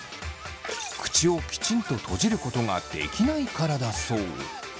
口をきちんと閉じることができないからだそう。